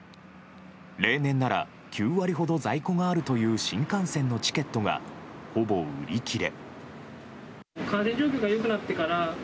例年なら９割ほど在庫があるという新幹線のチケットがほぼ売り切れ。